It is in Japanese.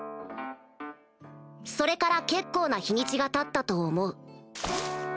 それから結構な日にちがたったと思う。